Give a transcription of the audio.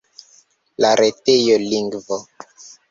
La retejo lingvo.